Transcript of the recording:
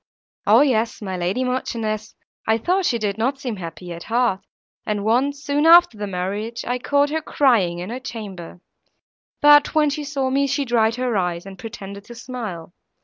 "O yes, my lady Marchioness, I thought she did not seem happy at heart, and once, soon after the marriage, I caught her crying in her chamber; but, when she saw me, she dried her eyes, and pretended to smile.